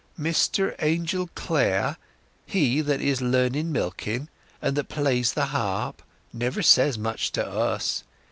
"Mr Angel Clare—he that is learning milking, and that plays the harp—never says much to us.